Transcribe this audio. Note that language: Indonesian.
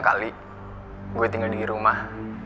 kali gue tinggal di rumah